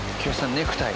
ネクタイ。